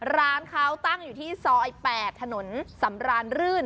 ร้านเขาตั้งอยู่ที่ซอย๘ถนนสำรานรื่น